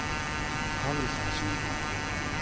ファブル捜しに行こうよ。